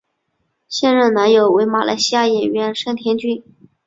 现任男友为马来西亚演员盛天俊。